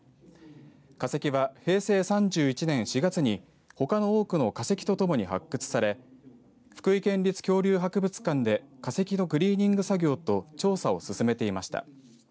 化石は平成３１年４月に他の多くの化石とともに発掘され福井県立恐竜博物館で化石のクリーニング作業と調査を進めていました。